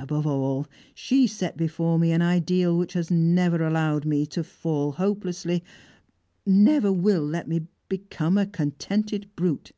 Above all, she set before me an ideal which has never allowed me to fall hopelessly never will let me become a contented brute!